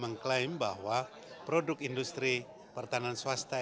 perang dan perang yang diperlukan adalah industri pertahanan swasta